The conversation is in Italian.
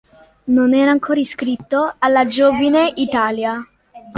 Non era ancora iscritto alla Giovine Italia.